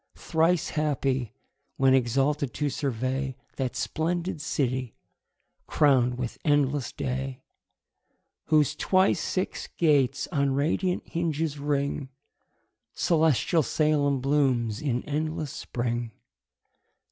Thrice happy, when exalted to survey That splendid city, crown'd with endless day, Whose twice six gates on radiant hinges ring: Celestial Salem blooms in endless spring.